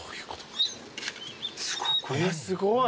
すごい。